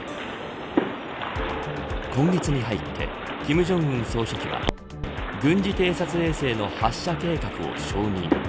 今月に入って金正恩総書記は軍事偵察衛星の発射計画を承認。